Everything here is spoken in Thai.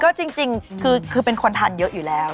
ก็จริงคือเป็นคนทานเยอะอยู่แล้ว